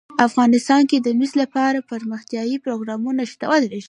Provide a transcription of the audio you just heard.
افغانستان کې د مس لپاره دپرمختیا پروګرامونه شته.